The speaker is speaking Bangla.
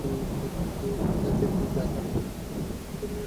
দিন যে কাটে না, কোথাও যে রাস্তা খুঁজে পাই নে।